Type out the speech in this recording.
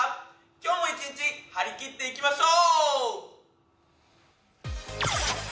今日も一日張り切っていきましょう！